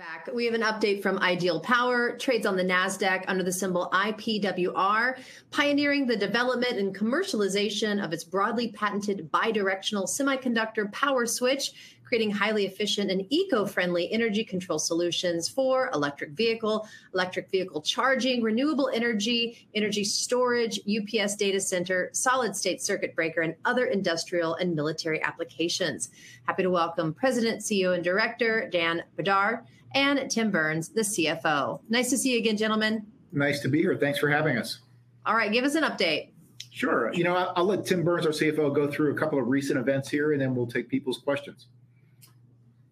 Back. We have an update from Ideal Power. Trades on the Nasdaq under the symbol IPWR, pioneering the development and commercialization of its broadly patented bidirectional semiconductor power switch, creating highly efficient and eco-friendly energy control solutions for electric vehicle, electric vehicle charging, renewable energy, energy storage, UPS data center, solid-state circuit breaker, and other industrial and military applications. Happy to welcome President, Chief Executive Officer, and Director Dan Brdar and Tim Burns, the Chief Financial Officer. Nice to see you again, gentlemen. Nice to be here. Thanks for having us. All right. Give us an update. Sure. You know, I'll let Tim Burns, our Chief Financial Officer, go through a couple of recent events here, and then we'll take people's questions.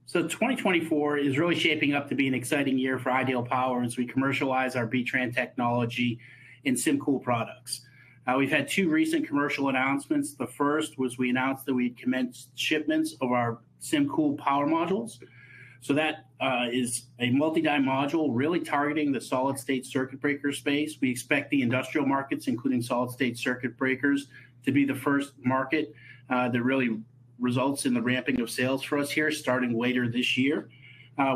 So 2024 is really shaping up to be an exciting year for Ideal Power as we commercialize our B-TRAN technology and SymCool products. We've had two recent commercial announcements. The first was we announced that we'd commence shipments of our SymCool power modules. So that is a multi-die module really targeting the solid-state circuit breaker space. We expect the industrial markets, including solid-state circuit breakers, to be the first market that really results in the ramping of sales for us here starting later this year.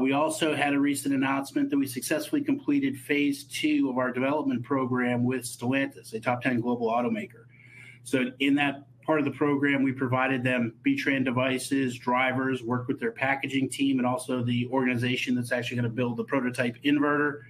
We also had a recent announcement that we successfully completed phase II of our development program with Stellantis, a top-10 global automaker. So in that part of the program, we provided them B-TRAN devices, drivers, worked with their packaging team, and also the organization that's actually going to build the prototype inverter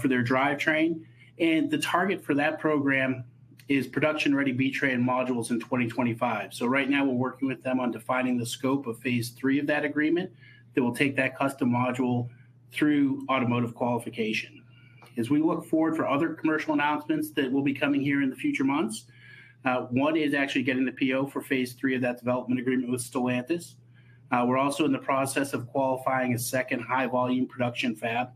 for their drivetrain. The target for that program is production-ready B-TRAN modules in 2025. Right now, we're working with them on defining the scope of phase III of that agreement that will take that custom module through automotive qualification. As we look forward for other commercial announcements that will be coming here in the future months, one is actually getting the PO for phase III of that development agreement with Stellantis. We're also in the process of qualifying a second high-volume production fab.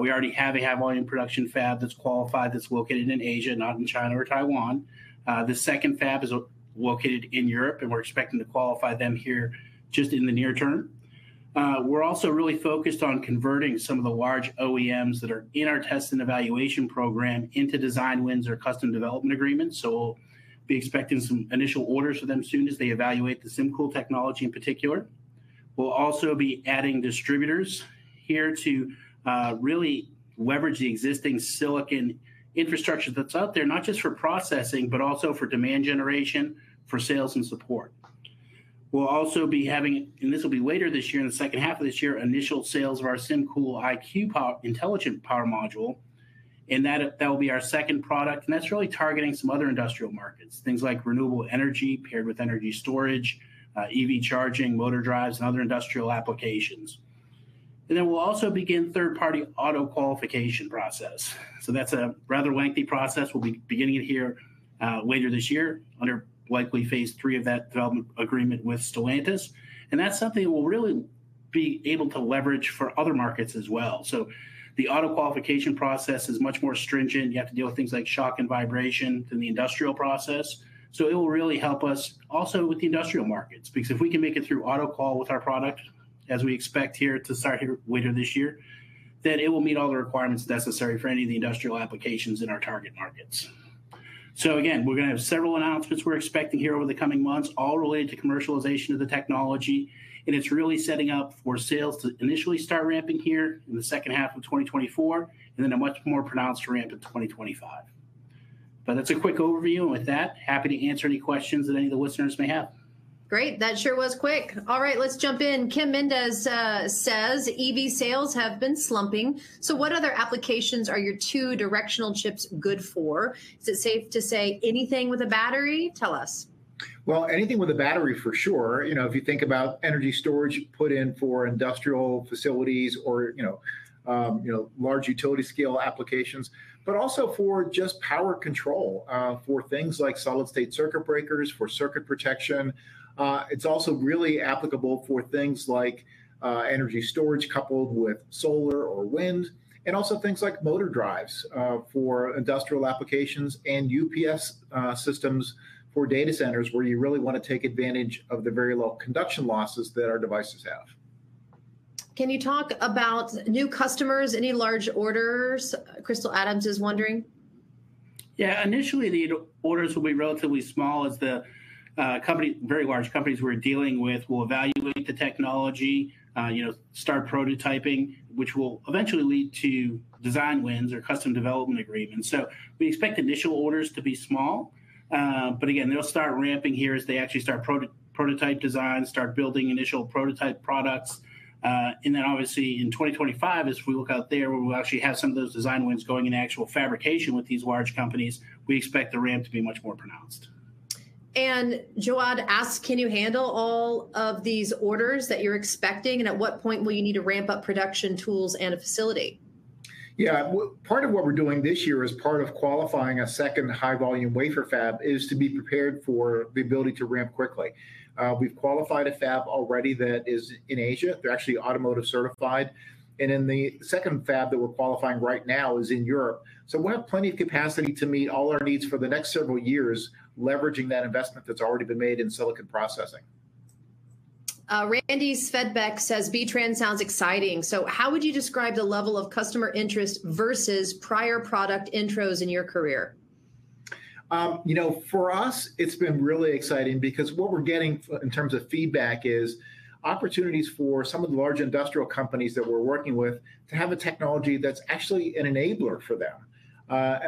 We already have a high-volume production fab that's qualified that's located in Asia, not in China or Taiwan. The second fab is located in Europe, and we're expecting to qualify them here just in the near term. We're also really focused on converting some of the large OEMs that are in our test and evaluation program into design wins or custom development agreements. So we'll be expecting some initial orders for them soon as they evaluate the SymCool technology in particular. We'll also be adding distributors here to really leverage the existing silicon infrastructure that's out there, not just for processing, but also for demand generation, for sales, and support. We'll also be having, and this will be later this year, in the second half of this year, initial sales of our SymCool IQ intelligent power module. That will be our second product. That's really targeting some other industrial markets, things like renewable energy paired with energy storage, EV charging, motor drives, and other industrial applications. Then we'll also begin third-party auto qualification process. So that's a rather lengthy process. We'll be beginning it here later this year under likely phase III of that development agreement with Stellantis. And that's something that we'll really be able to leverage for other markets as well. So the auto qualification process is much more stringent. You have to deal with things like shock and vibration than the industrial process. So it will really help us also with the industrial markets because if we can make it through auto qual with our product, as we expect here to start here later this year, then it will meet all the requirements necessary for any of the industrial applications in our target markets. So again, we're going to have several announcements we're expecting here over the coming months, all related to commercialization of the technology. And it's really setting up for sales to initially start ramping here in the second half of 2024 and then a much more pronounced ramp in 2025. But that's a quick overview. And with that, happy to answer any questions that any of the listeners may have. Great. That sure was quick. All right. Let's jump in. Kim Mendez says EV sales have been slumping. So what other applications are your bidirectional chips good for? Is it safe to say anything with a battery? Tell us. Well, anything with a battery for sure. You know, if you think about energy storage put in for industrial facilities or, you know, large utility-scale applications, but also for just power control, for things like solid-state circuit breakers, for circuit protection. It's also really applicable for things like energy storage coupled with solar or wind, and also things like motor drives for industrial applications and UPS systems for data centers where you really want to take advantage of the very low conduction losses that our devices have. Can you talk about new customers, any large orders? Crystal Adams is wondering. Yeah. Initially, the orders will be relatively small as the very large companies we're dealing with will evaluate the technology, you know, start prototyping, which will eventually lead to design wins or custom development agreements. So we expect initial orders to be small. But again, they'll start ramping here as they actually start prototype designs, start building initial prototype products. And then obviously, in 2025, as we look out there where we actually have some of those design wins going into actual fabrication with these large companies, we expect the ramp to be much more pronounced. Joad asks, can you handle all of these orders that you're expecting? And at what point will you need to ramp up production tools and a facility? Yeah. Part of what we're doing this year as part of qualifying a second high-volume wafer fab is to be prepared for the ability to ramp quickly. We've qualified a fab already that is in Asia. They're actually automotive certified. And then the second fab that we're qualifying right now is in Europe. So we'll have plenty of capacity to meet all our needs for the next several years, leveraging that investment that's already been made in silicon processing. Randy Svedbeck says, B-TRAN sounds exciting. So how would you describe the level of customer interest versus prior product intros in your career? You know, for us, it's been really exciting because what we're getting in terms of feedback is opportunities for some of the large industrial companies that we're working with to have a technology that's actually an enabler for them.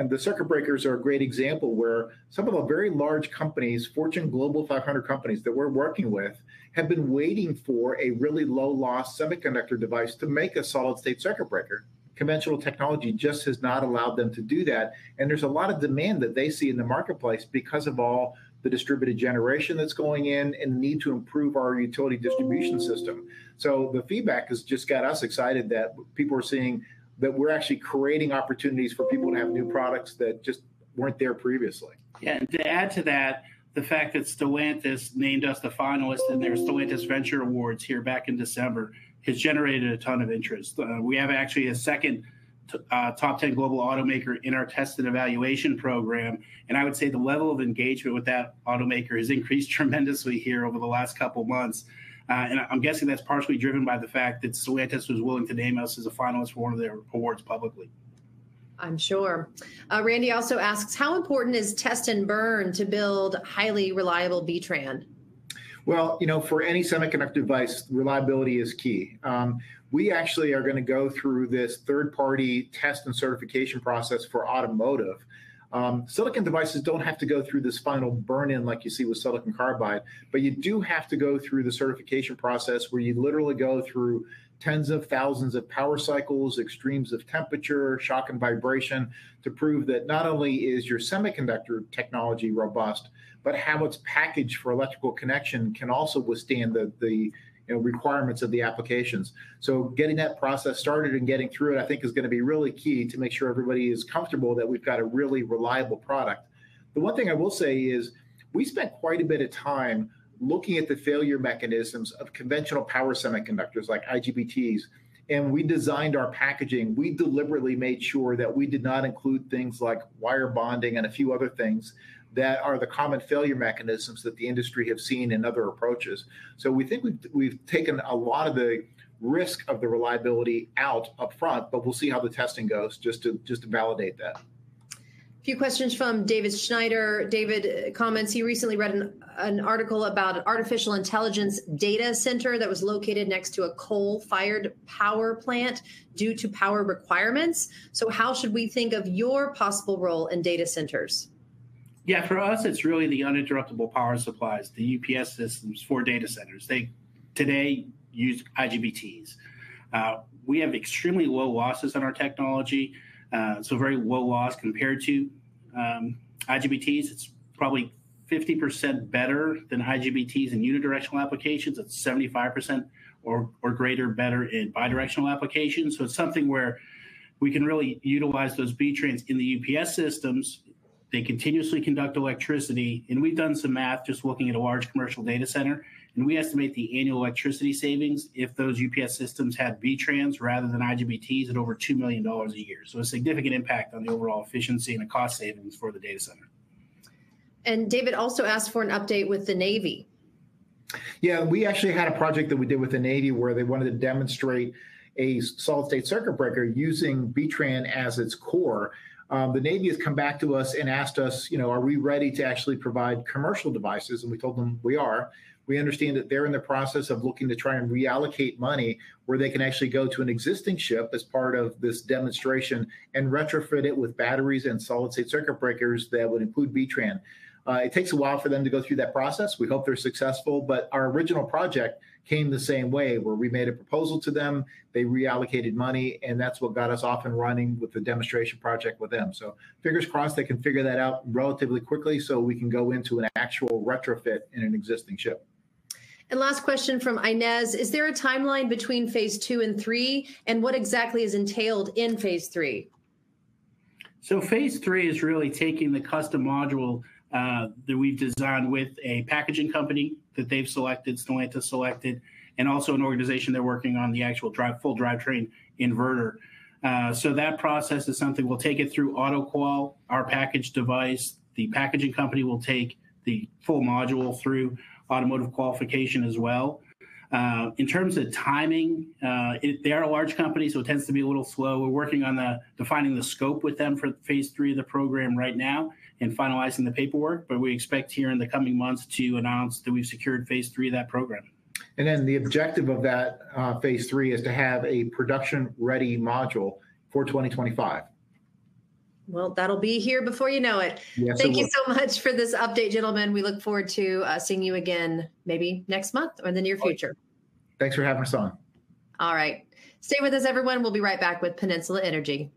The circuit breakers are a great example where some of the very large companies, Fortune Global 500 companies that we're working with, have been waiting for a really low-loss semiconductor device to make a solid-state circuit breaker. Conventional technology just has not allowed them to do that. There's a lot of demand that they see in the marketplace because of all the distributed generation that's going in and the need to improve our utility distribution system. The feedback has just got us excited that people are seeing that we're actually creating opportunities for people to have new products that just weren't there previously. Yeah. To add to that, the fact that Stellantis named us the finalist in their Stellantis Venture Awards here back in December has generated a ton of interest. We have actually a second top-10 global automaker in our test and evaluation program. I would say the level of engagement with that automaker has increased tremendously here over the last couple of months. I'm guessing that's partially driven by the fact that Stellantis was willing to name us as a finalist for one of their awards publicly. I'm sure. Randy also asks, how important is Test and Burn-in to build highly reliable B-TRAN? Well, you know, for any semiconductor device, reliability is key. We actually are going to go through this third-party test and certification process for automotive. Silicon devices don't have to go through this final burn-in like you see with silicon carbide. But you do have to go through the certification process where you literally go through tens of thousands of power cycles, extremes of temperature, shock and vibration to prove that not only is your semiconductor technology robust, but how it's packaged for electrical connection can also withstand the requirements of the applications. So getting that process started and getting through it, I think, is going to be really key to make sure everybody is comfortable that we've got a really reliable product. The one thing I will say is we spent quite a bit of time looking at the failure mechanisms of conventional power semiconductors like IGBTs. We designed our packaging. We deliberately made sure that we did not include things like wire bonding and a few other things that are the common failure mechanisms that the industry has seen in other approaches. We think we've taken a lot of the risk of the reliability out upfront. We'll see how the testing goes just to validate that. A few questions from David Schneider. David comments, he recently read an article about an artificial intelligence data center that was located next to a coal-fired power plant due to power requirements. So how should we think of your possible role in data centers? Yeah. For us, it's really the uninterruptible power supplies, the UPS systems for data centers. They today use IGBTs. We have extremely low losses on our technology, so very low loss compared to IGBTs. It's probably 50% better than IGBTs in unidirectional applications. It's 75% or greater, better in bidirectional applications. So it's something where we can really utilize those B-TRAN in the UPS systems. They continuously conduct electricity. And we've done some math just looking at a large commercial data center. And we estimate the annual electricity savings if those UPS systems had B-TRAN rather than IGBTs at over $2 million a year. So a significant impact on the overall efficiency and the cost savings for the data center. David also asked for an update with the Navy. Yeah. We actually had a project that we did with the Navy where they wanted to demonstrate a solid-state circuit breaker using B-TRAN as its core. The Navy has come back to us and asked us, you know, are we ready to actually provide commercial devices? And we told them we are. We understand that they're in the process of looking to try and reallocate money where they can actually go to an existing ship as part of this demonstration and retrofit it with batteries and solid-state circuit breakers that would include B-TRAN. It takes a while for them to go through that process. We hope they're successful. But our original project came the same way where we made a proposal to them. They reallocated money. And that's what got us off and running with the demonstration project with them. Fingers crossed they can figure that out relatively quickly so we can go into an actual retrofit in an existing ship. Last question from Inez, is there a timeline between phase II and III? And what exactly is entailed in phase III? So phase III is really taking the custom module that we've designed with a packaging company that they've selected, Stellantis selected, and also an organization they're working on, the actual full drivetrain inverter. So that process is something we'll take it through AEC-Q, our packaged device. The packaging company will take the full module through automotive qualification as well. In terms of timing, they are a large company, so it tends to be a little slow. We're working on defining the scope with them for phase III of the program right now and finalizing the paperwork. But we expect here in the coming months to announce that we've secured phase III of that program. The objective of that phase III is to have a production-ready module for 2025. Well, that'll be here before you know it. Yes. Thank you so much for this update, gentlemen. We look forward to seeing you again maybe next month or in the near future. Thanks for having us on. All right. Stay with us, everyone. We'll be right back with Peninsula Energy.